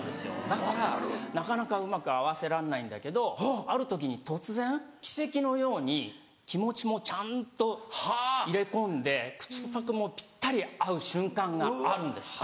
だからなかなかうまく合わせらんないんだけどある時に突然奇跡のように気持ちもちゃんと入れ込んで口パクもぴったり合う瞬間があるんですよ。